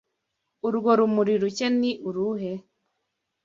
Urwo rumuri rucye ni uruhe?